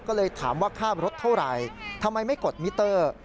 ก็เลยถามว่าค่ารถเท่าไหร่ทำไมไม่กดมิเตอร์